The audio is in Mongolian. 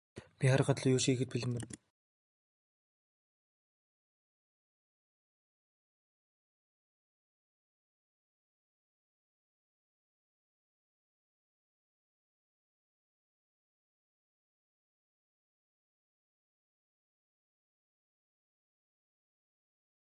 Өндөр хөгжилтэй гэгддэг орнуудад эцэг эхчүүд хүүхдүүдийнхээ цахим ертөнцөд өнгөрөөх цагийг хязгаартай байлгадаг.